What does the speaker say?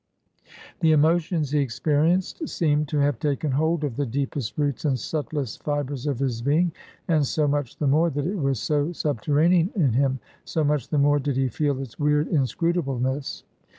The emotions he experienced seemed to have taken hold of the deepest roots and subtlest fibres of his being. And so much the more that it was so subterranean in him, so much the more did he feel its weird inscrutableness.